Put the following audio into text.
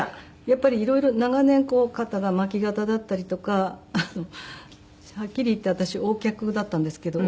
やっぱり色々長年肩が巻き肩だったりとかはっきり言って私Ｏ脚だったんですけど。